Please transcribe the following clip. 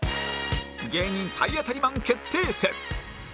芸人体当たりマン決定戦！